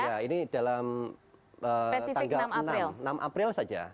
ya ini dalam tanggal enam april saja